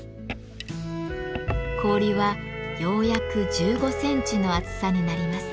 氷はようやく１５センチの厚さになります。